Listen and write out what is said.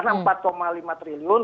karena empat lima triliun